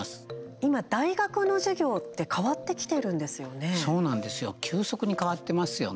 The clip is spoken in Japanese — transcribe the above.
今、大学の授業って変わってきているんですよね。